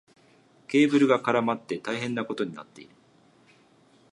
ケーブルが絡まって大変なことになっている。